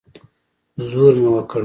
زور مې وکړ.